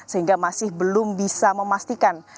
sehingga masih belum bisa memastikan